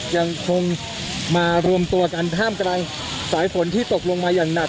ยังคงมารวมตัวกันท่ามกลางสายฝนที่ตกลงมาอย่างหนัก